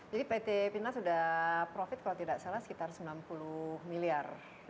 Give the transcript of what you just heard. jadi pt pinas sudah profit kalau tidak salah sekitar sembilan puluh miliar